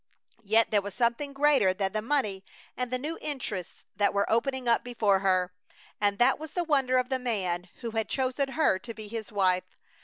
Yet there was something greater than the money and the new interests that were opening up before her, and that was the wonder of the man who had chosen her to be his wife.